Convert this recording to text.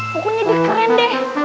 pokoknya jadi keren deh